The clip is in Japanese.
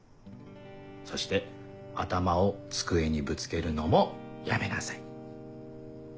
そして頭を机にぶつけるのもやめなさい。